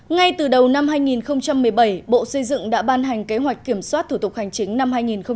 ngay từ đầu năm hai nghìn một mươi bảy bộ xây dựng đã ban hành kế hoạch kiểm soát thủ tục hành chính năm hai nghìn một mươi chín